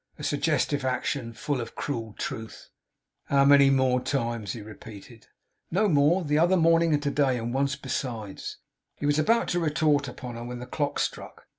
A suggestive action! Full of a cruel truth! 'How many more times?' he repeated. 'No more. The other morning, and to day, and once besides.' He was about to retort upon her, when the clock struck.